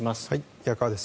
宮川です。